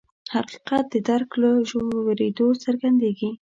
حقیقت د درک له ژورېدو څرګندېږي.